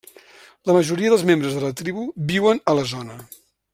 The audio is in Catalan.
La majoria dels membres de la tribu viuen a la zona.